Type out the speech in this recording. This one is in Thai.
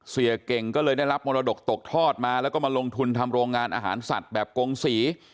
เก่งก็เลยได้รับมรดกตกทอดมาแล้วก็มาลงทุนทำโรงงานอาหารสัตว์แบบกงศรี